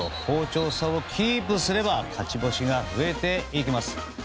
好調さをキープすれば勝ち星が増えていきます。